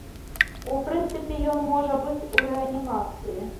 У прынцыпе, ён можа быць у рэанімацыі.